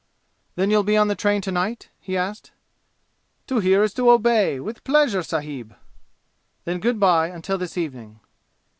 "Then you'll be on the train to night?" he asked. "To hear is to obey! With pleasure, sahib!" "Then good by until this evening."